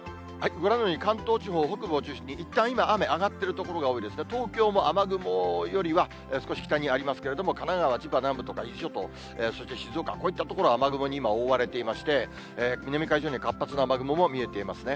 ご覧のように、関東地方北部を中心に、いったん今、雨上がってる所が多いですが、東京も雨雲よりは少し北にありますけれども、神奈川、千葉南部とか、伊豆諸島、そして静岡、こういった所は雨雲に今、覆われていまして、南海上には活発な雨雲も見えていますね。